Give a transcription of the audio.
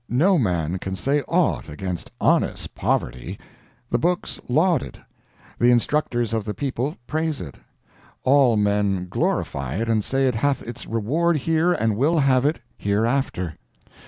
No man can say aught against honest poverty. The books laud it; the instructors of the people praise it; all men glorify it and say it hath its reward here and will have it hereafter.